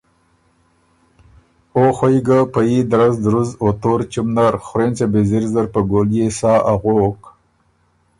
او خوئ ګه په يي درز درُز او تور چُم نر خورېنڅه بیزِر زر په ګوليې سا اغوک